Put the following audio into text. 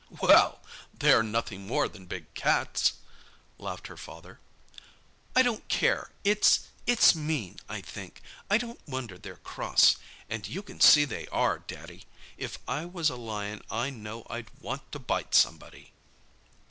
"Well, they're nothing more than big cats," laughed her father. "I don't care. It's—it's mean, I think. I don't wonder they're cross. And you can see they are, Daddy. If I was a lion I know I'd want to bite somebody!"